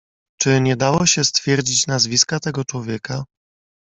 "Czy nie dało się stwierdzić nazwiska tego człowieka?"